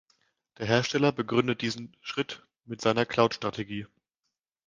Der Hersteller begründet diesen Schritt in seiner Cloud-Strategie.